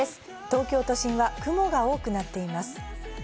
東京都心は雲が多くなっています。